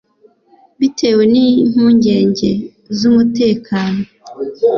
bitewe n’impungenge z’umutekano